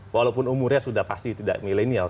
walaupun umurnya sudah pasti tidak milenial